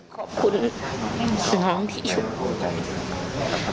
ขอบคุณน้องที่อยู่